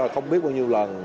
không biết bao nhiêu lần